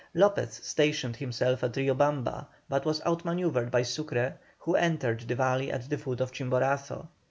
Lopez stationed himself at Rio Bamba, but was out manœuvred by Sucre, who entered the valley at the foot of Chimborazo.